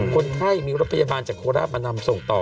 คนไข้มีรถพยาบาลจากโคราชมานำส่งต่อ